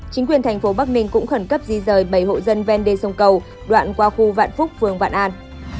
chính quyền thành phố bắc ninh cũng khẩn cấp di rời bảy hộ dân ven đê sông cầu đoạn qua khu vạn phúc phường vạn an